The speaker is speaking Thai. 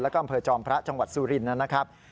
แล้วก็อำเภอจอมพระจังหวัดสุรินทร์นะครับ